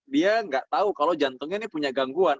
dia nggak tahu kalau jantungnya ini punya gangguan